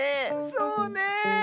そうねえ。